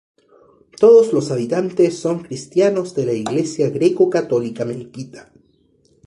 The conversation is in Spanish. Todos los habitantes son cristianos de la iglesia greco-católica melquita.